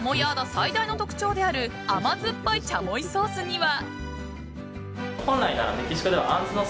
最大の特徴である甘酸っぱいチャモイソースには。